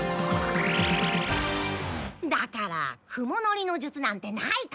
だから雲乗りの術なんてないから。